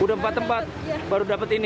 udah empat tempat baru dapat ini